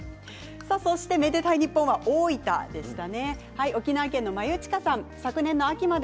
「愛でたいｎｉｐｐｏｎ」は大分でした。